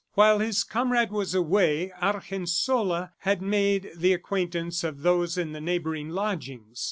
While his comrade was away, Argensola had made the acquaintance of those in the neighboring lodgings.